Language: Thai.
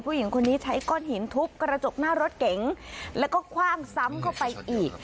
ผู้หญิงคนนี้ใช้ก้อนหินทุบกระจกหน้ารถเก๋งแล้วก็คว่างซ้ำเข้าไปอีก